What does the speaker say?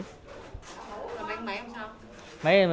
làm bánh máy không sao